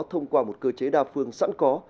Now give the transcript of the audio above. thông qua một cơ chế đa phương sẵn có